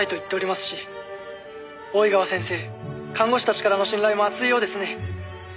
看護師たちからの信頼も厚いようですね」